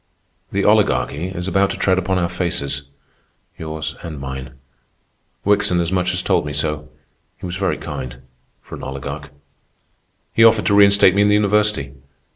"The Oligarchy is about to tread upon our faces—yours and mine. Wickson as much as told me so. He was very kind—for an oligarch. He offered to reinstate me in the university.